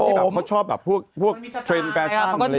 เป็นคนที่แบบเขาชอบแบบพวกเทรนด์แฟชั่นอะไรอย่างเงี้ย